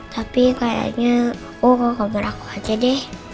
tapi kayaknya aku mau kamar aku aja deh